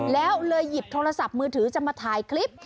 แล้วเลยหยิบโทรศัพท์มือถือจะมาถ่ายคลิป